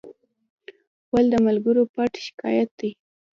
غول د ملګرو پټ شکایت دی.